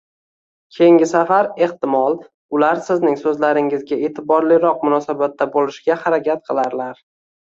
keyingi safar, ehtimol, ular sizning so‘zlaringizga e’tiborliroq munosabatda bo‘lishga harakat qilarlar.